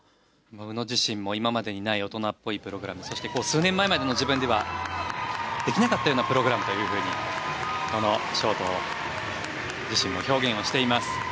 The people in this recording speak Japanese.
宇野自身も今までにない大人っぽいプログラムそして数年前までの自分ではできなかったようなプログラムというふうに自身も表現しています。